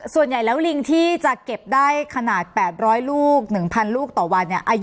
ส่วนใหญ่แล้วลิงที่จะเก็บได้ขนาด๘๐๐ลูก๑๐๐ลูกต่อวันเนี่ย